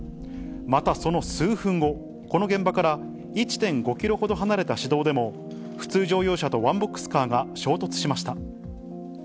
またその数分後、この現場から１．５キロほど離れた市道でも、普通乗用車とワンボックスカーが衝突しました。